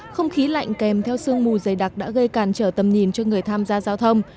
không khí lạnh kèm theo sương mù dày đặc đã gây cản trở tầm nhìn cho người tham gia giao thông